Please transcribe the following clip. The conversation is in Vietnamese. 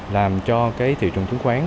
làm cho thị trường chứng khoán